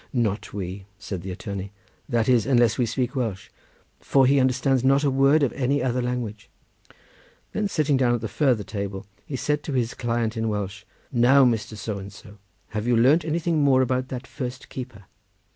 "Not we," said the attorney; "that is, unless we speak Welsh, for he understands not a word of any other language." Then sitting down at the farther table, he said to his client in Welsh: "Now, Mr. So and so, have you learnt anything more about that first keeper?"